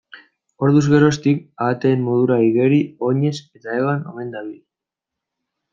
Orduz geroztik, ahateen modura igeri, oinez eta hegan omen dabil.